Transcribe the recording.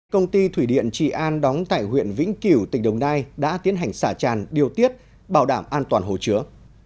công ty thủy điện trị an đóng tại huyện vĩnh kiểu tỉnh đồng nai đã tiến hành xả tràn điều tiết bảo đảm an toàn hồ chứa